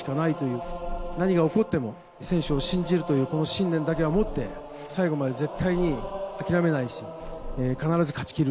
何が起こっても選手を信じるというこの信念だけは持って最後まで絶対に諦めないし必ず勝ちきる。